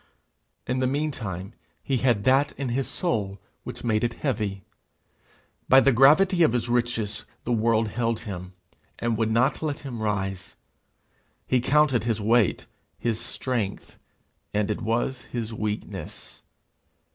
In the meantime he had that in his soul which made it heavy: by the gravity of his riches the world held him, and would not let him rise. He counted his weight his strength, and it was his weakness.